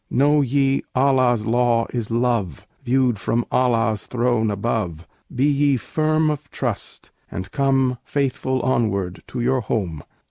Know ye Allah's law is love, Viewed from Allah's Throne above; Be ye firm of trust, and come Faithful onward to your home!